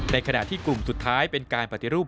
ขณะที่กลุ่มสุดท้ายเป็นการปฏิรูป